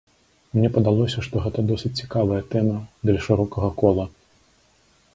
Мне падалося, што гэта досыць цікавая тэма, для шырокага кола.